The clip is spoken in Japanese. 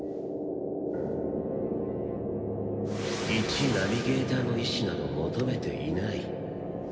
いちナビゲーターの意思など求めていない。